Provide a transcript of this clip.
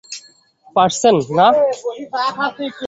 Percent, না?